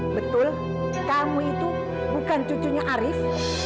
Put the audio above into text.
betul kamu itu bukan cucunya arief